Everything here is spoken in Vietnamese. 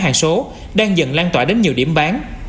hàng số đang dần lan tỏa đến nhiều điểm bán